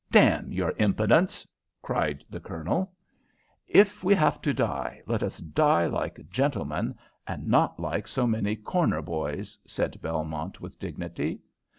"Damn your impudence!" cried the Colonel. "If we have to die, let us die like gentlemen, and not like so many corner boys," said Belmont, with dignity.